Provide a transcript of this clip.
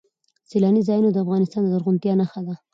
سیلانی ځایونه د افغانستان د زرغونتیا نښه ده.